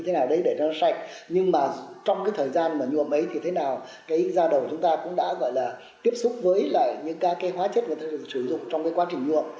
hóa chất sẽ được sử dụng trong quá trình nhuộm